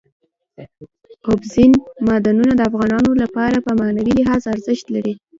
اوبزین معدنونه د افغانانو لپاره په معنوي لحاظ ارزښت لري.